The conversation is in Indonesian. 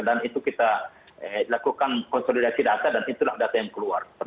dan itu kita lakukan konsolidasi data dan itulah data yang keluar